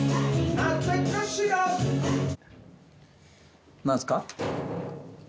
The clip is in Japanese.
何すか？